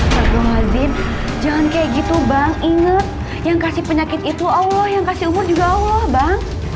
sabu lazim jangan kayak gitu bang inget yang kasih penyakit itu allah yang kasih umur juga allah bang